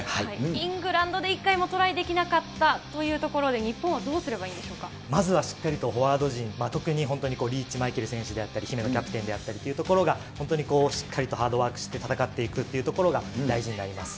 イングランドでも一回もトライできなかったというところで、日本はどうすればいいんでしょうまずはしっかりフォワード陣、特に本当にリーチマイケル選手であったり、姫野キャプテンであったりというところが、本当にこう、しっかりとハードワークして、戦っていくというところが大事になります。